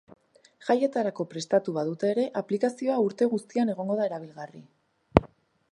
Jaietarako prestatu badute ere, aplikazioa urte guztian egongo da erabilgarri.